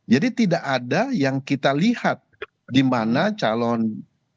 jadi tidak ada yang kita lihat di mana calon peserta pemilu peserta pemerintah pemerintah yang melakukan ini